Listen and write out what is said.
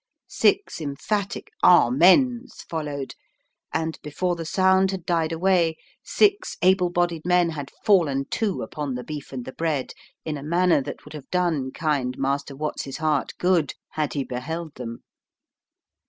Six emphatic "Amens!" followed, and before the sound had died away six able bodied men had fallen to upon the beef and the bread in a manner that would have done kind Master Watts's heart good had he beheld them.